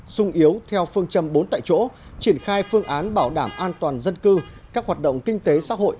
sung yếu theo phương châm bốn tại chỗ triển khai phương án bảo đảm an toàn dân cư các hoạt động kinh tế xã hội